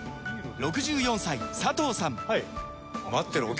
６４歳佐藤さん